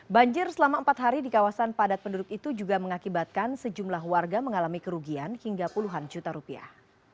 banjir selama empat hari di kawasan padat penduduk itu juga mengakibatkan sejumlah warga mengalami kerugian hingga puluhan juta rupiah